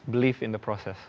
beli dalam proses